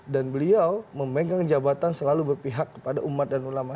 dan beliau memegang jabatan selalu berpihak kepada umat dan ulama